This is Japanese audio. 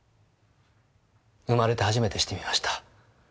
生まれて初めてしてみました。